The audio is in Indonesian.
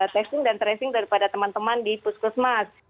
testing dan tracing daripada teman teman di puskesmas